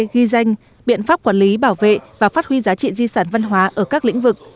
ghi danh biện pháp quản lý bảo vệ và phát huy giá trị di sản văn hóa ở các lĩnh vực